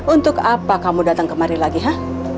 untuk apa kamu datang kemari lagi ya